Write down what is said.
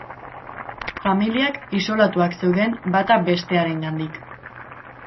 Familiak isolatuak zeuden bata bestearengandik.